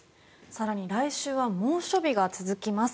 更に、来週は猛暑日が続きます。